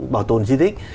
bảo tồn di tích